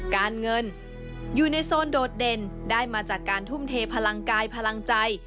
การเงินอยู่ในโซนโดดเด่นได้มาจากการทุ่มเทพลังกายพลังใจ